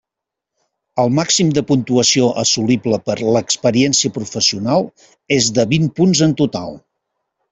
El màxim de puntuació assolible per experiència professional és de vint punts en total.